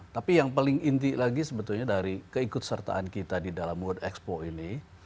tapi yang paling inti lagi sebetulnya dari keikut sertaan kita di dalam world expo ini